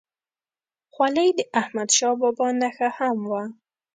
خولۍ د احمدشاه بابا نښه هم وه.